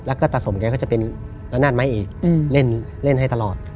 แล้วก็ตาสมแกก็จะเป็นละนาดไม้เอกเล่นให้ตลอด